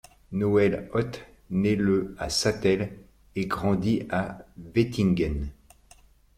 Noël Ott naît le à Sattel et grandit à Wettingen.